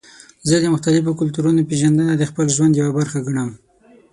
زه د مختلفو کلتورونو پیژندنه د خپل ژوند یوه برخه ګڼم.